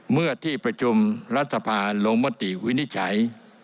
เมื่อที่ประชุมรัฐสภาลงมติวินิจฉัย